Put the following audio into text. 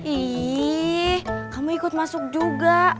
ih kamu ikut masuk juga